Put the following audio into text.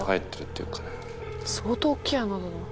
相当おっきい穴だな。